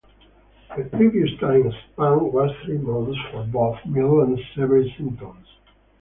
The previous time span was three months (for both mild and severe symptoms).